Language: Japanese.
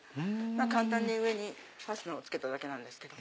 簡単に上にファスナーをつけただけなんですけど。